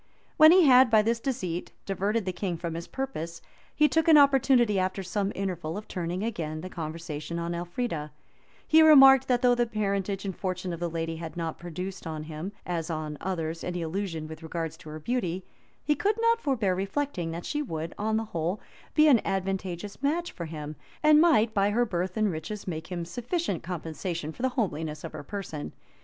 When he had, by this deceit, diverted the king from his purpose he took an opportunity, after some interval, of turning again the conversation on Elfrida; he remarked, that though the parentage and fortune of the lady had not produced on him, as on others, any illusion with regard to her beauty, he could not forbear reflecting, that she would, on the whole, be an advantageous match for him, and might, by her birth and riches, make him sufficient compensation for the homeliness of her person.